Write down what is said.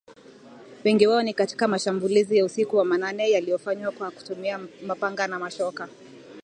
Wengi wao ni katika mashambulizi ya usiku wa manane yaliyofanywa kwa kutumia mapanga na mashoka